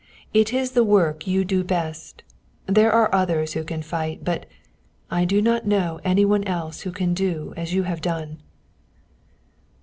"It is the work you do best. There are others who can fight, but I do not know any one else who can do as you have done."